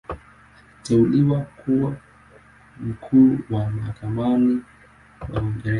Aliteuliwa kuwa Mkuu wa Mahakama wa Uingereza.